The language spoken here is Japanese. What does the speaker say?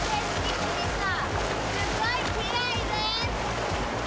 すごいきれいです。